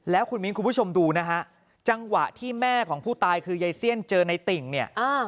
แล้วคุณมิ้นคุณผู้ชมดูนะฮะจังหวะที่แม่ของผู้ตายคือยายเซียนเจอในติ่งเนี่ย